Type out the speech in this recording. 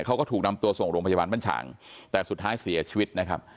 เขาก็ถูกนำตัวส่งโรงพยาบาลบ้านฉางแต่สุดท้ายเสียชีวิตนะครับ